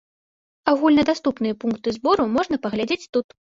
Агульнадаступныя пункты збору можна паглядзець тут.